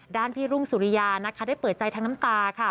พี่รุ่งสุริยานะคะได้เปิดใจทั้งน้ำตาค่ะ